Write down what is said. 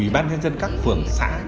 ban thiên dân các phường xã